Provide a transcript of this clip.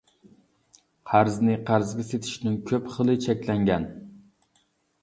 قەرزنى قەرزگە سېتىشنىڭ كۆپ خىلى چەكلەنگەن.